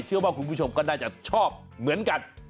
เชื่อว่าคุณผู้ชมก็น่าจะชอบเหมือนกัน